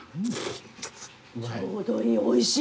ちょうどいいおいしい。